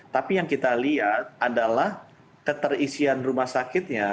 tapi yang kita lihat adalah keterisian rumah sakitnya